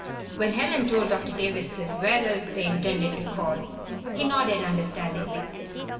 When Helen told Doctor Davison where else they intended to call, he nodded understandingly.